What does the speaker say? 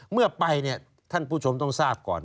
เมื่อไปเนี่ยท่านผู้ชมต้องทราบก่อน